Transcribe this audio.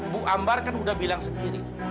bu ambar kan udah bilang sendiri